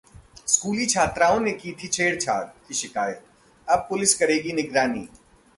स्कूली छात्राओं ने की थी छेड़छाड़ की शिकायत, अब पुलिस करेगी निगरानी